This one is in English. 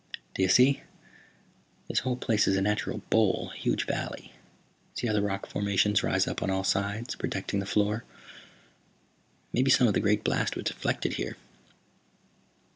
"Do you see? This whole place is a natural bowl, a huge valley. See how the rock formations rise up on all sides, protecting the floor. Maybe some of the great blast was deflected here."